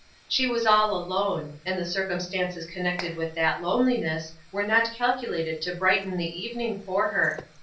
She was all alone; and the circumstances connected with that loneliness were not calculated to brighten the evening for her.